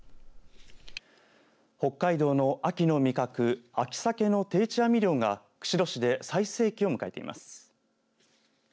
北海道の秋の味覚秋さけの定置網漁が釧路市で最盛期を迎えています。